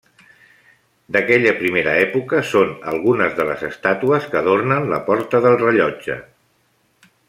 D'aquella primera època són algunes de les estàtues que adornen la Porta del Rellotge.